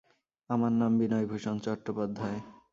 আমার নাম বিনয়ভূষণ চট্টোপাধ্যায়।